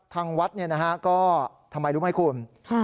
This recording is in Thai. ทางวัดเนี่ยนะฮะก็ทำไมรู้ไหมคุณ